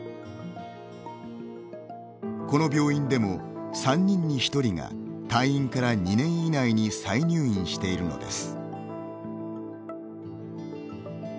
この病院でも、３人に１人が退院から２年以内に再入院しているのです。